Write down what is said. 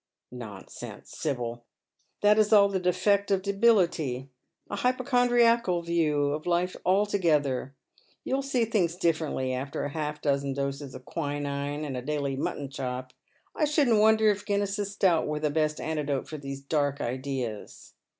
"Nonsense, Sibyl ! That is all the defect of debility— a hy pochondriacal view of life altogether. You will see things differently after half a dozen doses of quinine, and a daily mutton chop. I shouldn't wonder if Guinness's stout were the best antidote for these dark ideas.